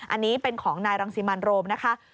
อันนี้เป็นของนายรังสิมันโรมนะคะ